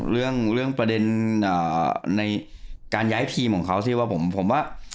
เรื่องประเด็นในการย้ายทีมของเขาสิว่าผมว่า